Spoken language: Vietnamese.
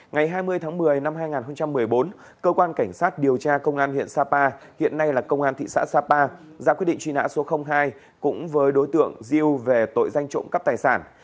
ngày hai mươi tháng một mươi năm hai nghìn một mươi bốn cơ quan cảnh sát điều tra công an huyện sapa hiện nay là công an thị xã sapa ra quyết định truy nã số hai cũng với đối tượng ziu về tội danh trộm cắp tài sản